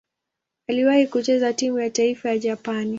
Aliwahi kucheza timu ya taifa ya Japani.